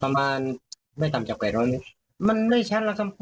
ประมาณไม่ต่ำจากแก่ร้อนมันไม่แช่นแล้วครับ